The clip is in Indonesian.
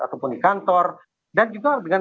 ataupun di kantor dan juga dengan